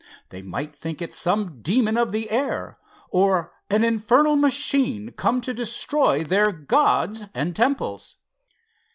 They might think it some demon of the air, or an infernal machine come to destroy their gods and temples."